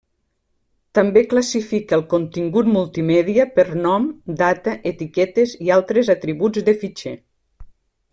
També classifica el contingut multimèdia per nom, data, etiquetes i altres atributs de fitxer.